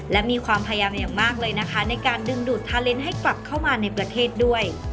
และมีความพยายามอย่างมากเลยนะคะในการดึงดูดทาเลนส์ให้กลับเข้ามาในประเทศด้วย